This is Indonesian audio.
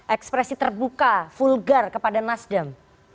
ekspresi terbuka vulgar kepada nasdem